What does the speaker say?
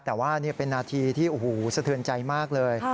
แต่ว่านี่เป็นนาทีที่โอ้โหสะเทือนใจมากเลย